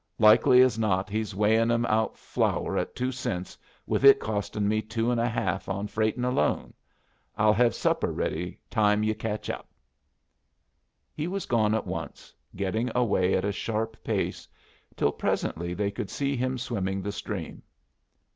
Likely as not he's weighin' 'em out flour at two cents, with it costin' me two and a half on freightin' alone. I'll hev supper ready time you ketch up." He was gone at once, getting away at a sharp pace, till presently they could see him swimming the stream.